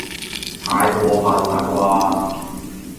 太過分喇啩